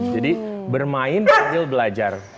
jadi bermain ambil belajar